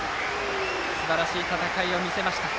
すばらしい戦いを見せました。